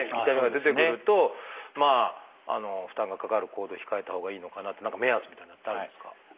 痛みが出てくると負担がかかる行動を控えたほうがいいのかなって何か目安みたいなのってあるんですか？